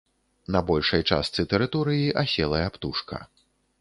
На большай частцы тэрыторыі аселая птушка.